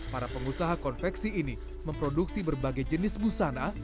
para pengusaha konveksi ini memproduksi berbagai jenis busana